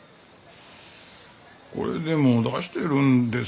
これでも出してるんですけどねえ。